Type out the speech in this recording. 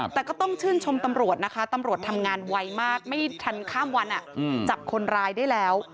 แต่ก็ต้องชื่นชมตำรวจนะคะตำรวจทำงานไวมากไม่ทันข้ามวันจับคนร้ายได้แล้ว